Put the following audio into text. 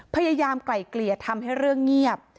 พยายามไกล่เกลี่ยทำให้เรื่องเงียบ